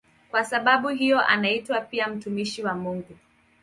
Kwa sababu hiyo anaitwa pia "mtumishi wa Mungu".